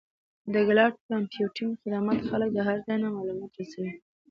د کلاؤډ کمپیوټینګ خدمات خلک د هر ځای نه معلوماتو ته رسوي.